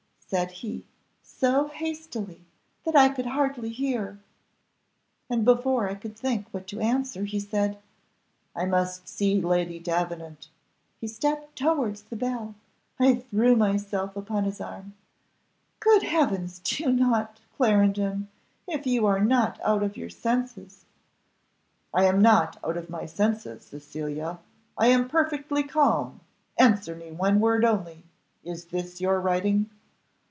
said he, so hastily that I could hardly hear; and before I could think what to answer, he said, 'I must see Lady Davenant.' He stepped towards the bell; I threw myself upon his arm 'Good Heavens! do not, Clarendon, if you are not out of your senses.' 'I am not out of my senses, Cecilia, I am perfectly calm; answer me, one word only is this your writing?